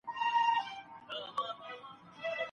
عائشې رضي الله عنها مسابقه ونه بايلله.